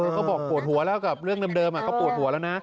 เขาบอกปวดหัวแล้วกับเรื่องเดิมก็ปวดหัวแล้วนะ